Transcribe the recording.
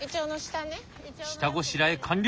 下ごしらえ完了！